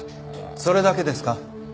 それだけですか？